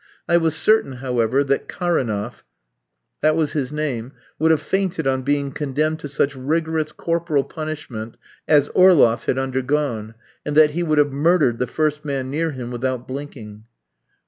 I was certain, however, that Kareneff that was his name would have fainted on being condemned to such rigorous corporal punishment as Orloff had undergone; and that he would have murdered the first man near him without blinking.